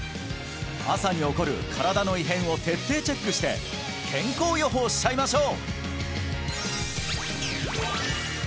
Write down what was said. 朝に起こる身体の異変を徹底チェックして健康予報しちゃいましょう！